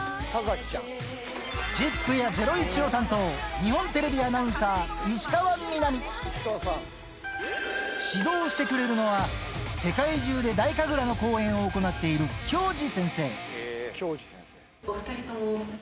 ＺＩＰ！やゼロイチを担当、日本テレビアナウンサー、石川みなみ。指導してくれるのは、世界中で太神楽の公演を行っている鏡次先生。